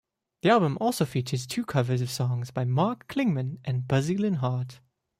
The album also features two covers of songs by Mark Klingman and Buzzy Linhart.